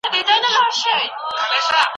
علم او فلسفه یوازې په کلیساو کي لوستل کيده.